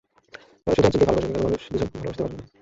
কেন শুধু একজনকেই ভালোবাসবে, কেন মানুষ দুজন ভালবাসতে পারবে না?